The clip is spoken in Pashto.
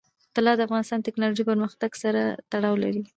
طلا د افغانستان د تکنالوژۍ پرمختګ سره تړاو لري.